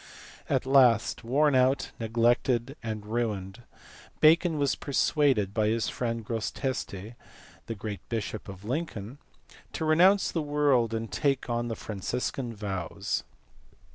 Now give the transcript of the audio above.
181 At last worn out, neglected, and ruined Bacon was per suaded by his friend Grosseteste, the great bishop of Lincoln, to renounce the world and take the Franciscan vows.